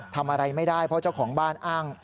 ทำอะไรไม่ได้เพราะเจ้าของบ้านอ้าง